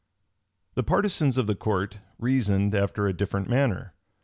The partisans of the court reasoned after a different manner.